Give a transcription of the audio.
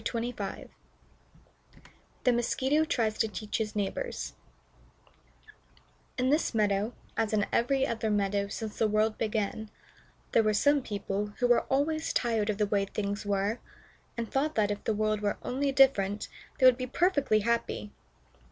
THE MOSQUITO TRIES TO TEACH HIS NEIGHBORS In this meadow, as in every other meadow since the world began, there were some people who were always tired of the way things were, and thought that, if the world were only different, they would be perfectly happy.